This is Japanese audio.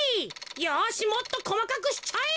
よしもっとこまかくしちゃえ。